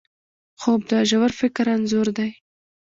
خوب د ژور فکر انځور دی